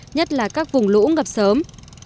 nhất là các vùng lũ ngập sớm